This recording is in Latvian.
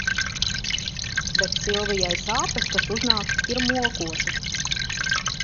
Bet Silvijai sāpes, kas uznāk ir mokošas.